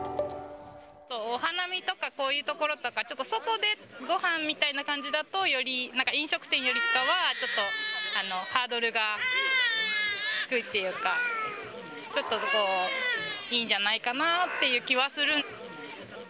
お花見とか、こういう所とか、ちょっと外でごはんみたいな感じだと、よりなんか、飲食店よりかは、ちょっとハードルが低いっていうか、ちょっといいんじゃないかなという気はする。